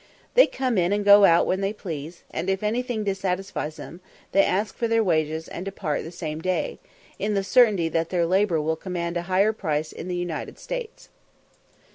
They come in and go out when they please, and, if anything dissatisfies them, they ask for their wages, and depart the same day, in the certainty that their labour will command a higher price in the United States.